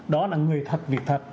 đó là người thật việc thật